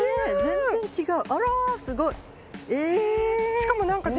全然違う。